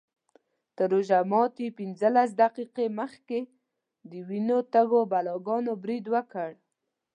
تر روژه ماتي پینځلس دقیقې مخکې د وینو تږو بلاګانو برید وکړ.